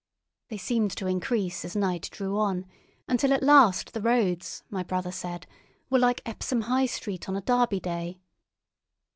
They seemed to increase as night drew on, until at last the roads, my brother said, were like Epsom High Street on a Derby Day.